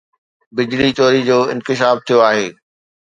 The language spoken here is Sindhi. بجلي چوري جو انڪشاف ٿيو آهي